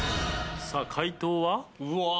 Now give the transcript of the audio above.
さあ解答は？